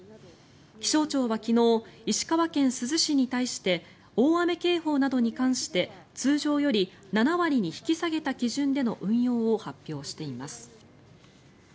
気象庁は昨日石川県珠洲市に対して大雨警報などに関して通常より７割に引き下げた基準での運用を発表しています。